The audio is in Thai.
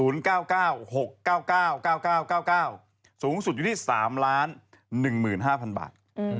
ราคาสูงสุดอยู่ที่๘ล้านกับ๒๐๐๐๐บาท